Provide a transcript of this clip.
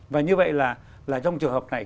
và như vậy là trong trường hợp này